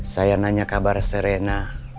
saya nanya kabar serena